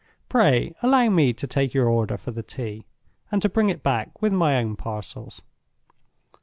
Pray allow me to take your order for the tea, and to bring it back with my own parcels.